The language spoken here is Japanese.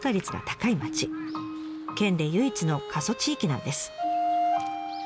県で唯一の過疎地域なんです。